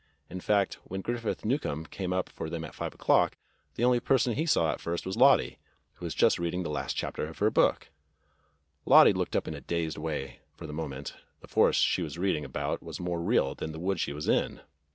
In fact when Griffith Newcomb came up for them at five o'clock, the only person he saw at first was Lottie^ who was just reading the last chapter of her book. 66 THE BLUE AUNT Lottie looked up in a dazed way; for the moment, the forest she was reading about was more real than the wood she was in.